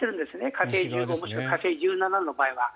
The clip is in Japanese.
火星１５と火星１７の場合は。